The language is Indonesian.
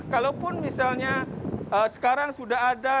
kalau pun misalnya sekarang sudah ada